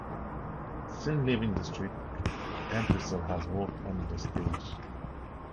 Since leaving the Street, Entwistle has worked on the stage.